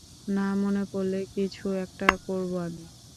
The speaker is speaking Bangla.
না মনে পড়লে কিছু একটা করবো আমি।